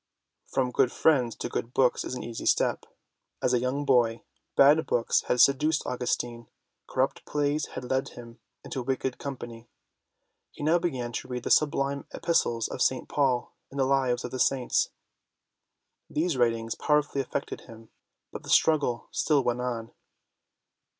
From good friends to good books is an easy step. As a young boy, bad books had seduced Augustine ; corrupt plays had led him into wicked company. He now began to read the sublime Epistles of St. Paul and the Lives of the Saints. These writings powerfully affected him, but the struggle still went on.